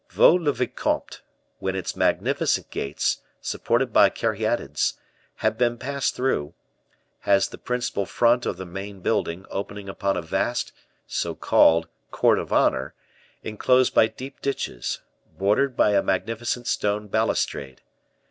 Vaux le Vicomte, when its magnificent gates, supported by caryatides, have been passed through, has the principal front of the main building opening upon a vast, so called, court of honor, inclosed by deep ditches, bordered by a magnificent stone balustrade.